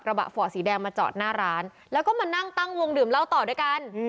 บะฝ่อสีแดงมาจอดหน้าร้านแล้วก็มานั่งตั้งวงดื่มเหล้าต่อด้วยกัน